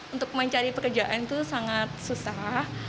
untuk mencari pekerjaan itu sangat susah